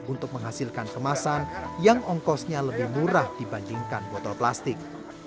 untuk menghasilkan kemasan yang ongkosnya lebih murah dibandingkan botol plastik